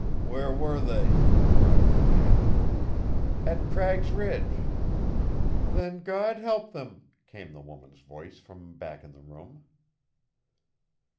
"Where were they?" grunted the man. "At Cragg's Ridge." "Then God help them," came the woman's voice from back in the room.